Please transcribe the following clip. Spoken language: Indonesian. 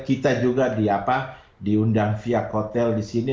kita juga diundang via hotel di sini